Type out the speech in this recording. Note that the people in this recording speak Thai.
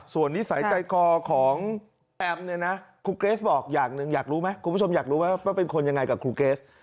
ส่วนนิสัยใจคอของแอมเนี่ยนะครูเกรสบอกอย่างหนึ่งอยากรู้ไหมคุณผู้ชมอยากรู้ไหมว่าเป็นคนยังไงกับครูเกรส